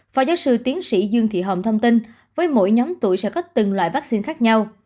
phó giáo sư tiến sĩ dương thị hồng thông tin với mỗi nhóm tuổi sẽ có từng loại vaccine khác nhau